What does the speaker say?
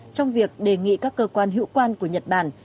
trong việc đề nghị các cơ quan hữu quan của nhật bản